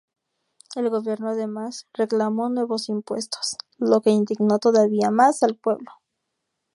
El gobierno además reclamó nuevos impuestos, lo que indignó todavía más al pueblo.